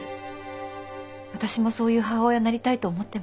わたしもそういう母親になりたいと思ってます。